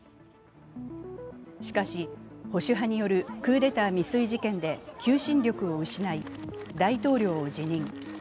しかし、保守派によるクーデター未遂事件で求心力を失い大統領を辞任。